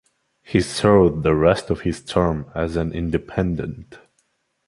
He served the rest of his term as an independent.